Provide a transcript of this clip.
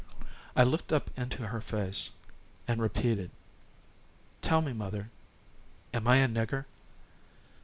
I looked up into her face and repeated: "Tell me, mother, am I a nigger?"